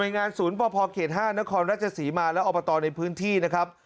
การศูนย์พอเขต๕นครราชสีมาแล้วเอาไปต่อในพื้นที่นะครับ